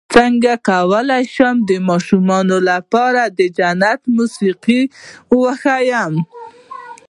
څنګه کولی شم د ماشومانو لپاره د جنت موسيقي وښایم